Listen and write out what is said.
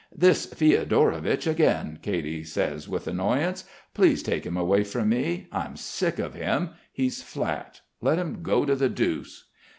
"This Fiodorovich again," Katy says with annoyance. "Please take him away from me. I'm sick of him. He's flat.... Let him go to the deuce."